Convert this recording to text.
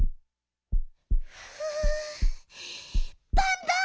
ふうバンバン！